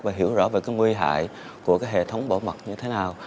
và hiểu rõ về cái nguy hại của hệ thống bỏ mặt như thế nào